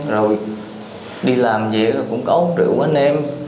rồi đi làm về cũng có một rượu anh em